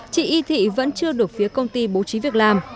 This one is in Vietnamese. chị y thị vẫn chưa được phía công ty bố trí việc làm